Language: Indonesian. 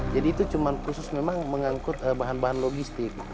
jadi itu cuma khusus memang mengangkut bahan bahan logistik